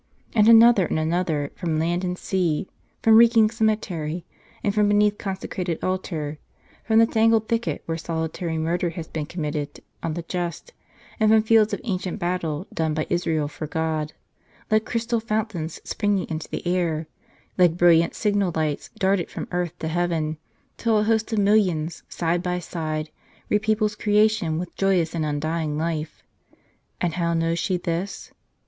And another and another, from land and sea ; from reeking cemetery, and from beneath con secrated altar ; from the tangled thicket where solitary mur CTtr der has been committed on the just, and from fields of ancient battle done by Israel for God ; like crystal fountains spring ing into the air, like brilliant signal lights, darted from earth to heaven, till a host of millions, side by side, repeoples crea tion with joyous and undying life. And how knows she this?